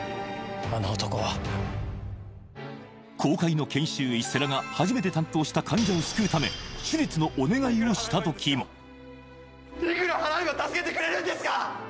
あの男は後輩の研修医・世良が初めて担当した患者を救うため手術のお願いをした時もいくら払えば助けてくれるんですか！